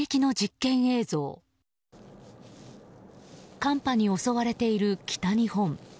寒波に襲われている北日本。